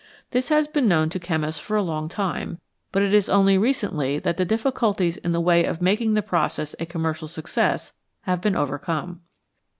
This has been known to chemists for a long time, but it is only recently that the difficulties in the way of making the process a commercial success have been overcome.